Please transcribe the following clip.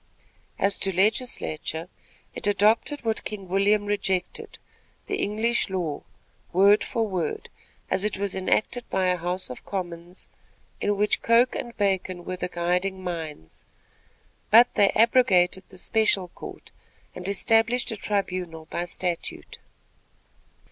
As to legislature, it adopted what King William rejected the English law, word for word, as it was enacted by a house of commons, in which Coke and Bacon were the guiding minds; but they abrogated the special court, and established a tribunal by statute.